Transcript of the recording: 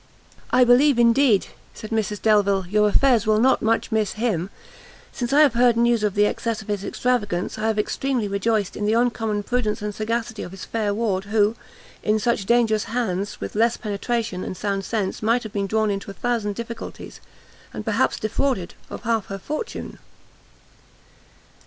"I believe, indeed," said Mrs Delvile, "your affairs will not much miss him! Since I have heard of the excess of his extravagance, I have extremely rejoiced in the uncommon prudence and sagacity of his fair ward, who, in such dangerous hands, with less penetration and sound sense, might have been drawn into a thousand difficulties, and perhaps defrauded of half her fortune."